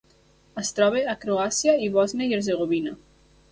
Es troba a Croàcia i Bòsnia i Hercegovina.